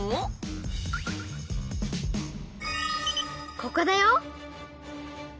ここだよ！